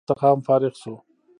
هغه بالاخره له کالج څخه هم فارغ شو.